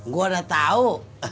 gue udah tau